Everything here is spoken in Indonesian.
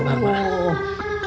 aduh pegang emak sakit